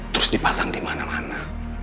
terus dipasang di mana mana